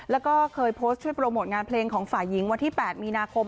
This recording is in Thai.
แล้วก็เคยโพสต์ช่วยโปรโมทงานเพลงของฝ่ายหญิงวันที่๘มีนาคม